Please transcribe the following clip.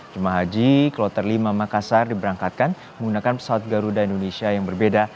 jemaah haji kloter lima makassar diberangkatkan menggunakan pesawat garuda indonesia yang berbeda